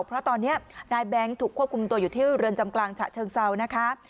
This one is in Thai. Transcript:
เพราะตอนนี้นายแบงค์ถูกควบคุมตัวอยู่ที่เรือนจำกลางฉะเชิงเซานะคะ